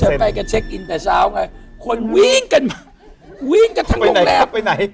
จะไปกับเช็คอินแต่เช้าไงคนวิ้งกันวิ้งกับทั้งโรงแรมไปไหนไปไหน